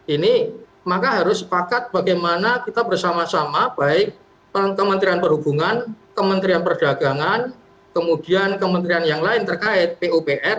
ini maka harus sepakat bagaimana kita bersama sama baik kementerian perhubungan kementerian perdagangan kemudian kementerian yang lain terkait pupr